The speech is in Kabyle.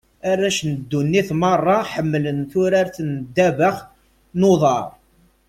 Arrac n ddunit merra, ḥemmlen turart n ddabax n uḍar.